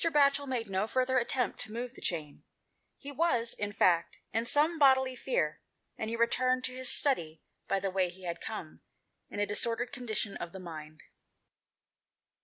Batchel made no further attempt to move the chain ; he was, in fact, in some bodily fear, and he returned to his study by the way he had come, in a disordered condition of mind.